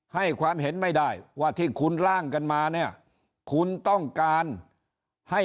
ให้ความเห็นไม่ได้ว่าที่คุณล่างกันมาเนี่ยคุณต้องการให้